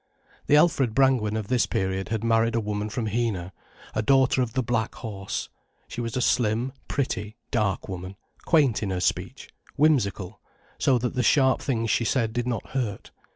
The Alfred Brangwen of this period had married a woman from Heanor, a daughter of the "Black Horse". She was a slim, pretty, dark woman, quaint in her speech, whimsical, so that the sharp things she said did not hurt.